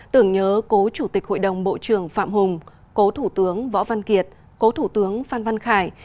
tưởng nhớ cố chủ tịch hội đồng bộ trưởng phạm hùng cố thủ tướng võ văn kiệt cố thủ tướng phan văn khải